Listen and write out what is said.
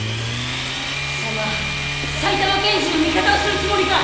貴様埼玉県人の味方をするつもりか！？